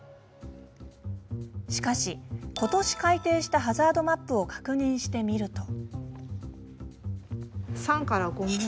しかし、ことし改訂したハザードマップを確認してみると。